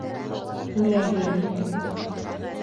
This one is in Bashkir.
Түләйем.